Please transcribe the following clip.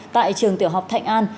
tại trường tiểu học thạnh an